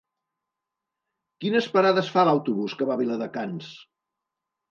Quines parades fa l'autobús que va a Viladecans?